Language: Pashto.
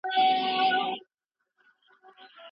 یوازې یوه ژېړه پاڼه پر څانګه پاتې ده.